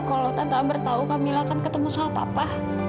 kalau tante amber tau kak mila akan ketemu soal papa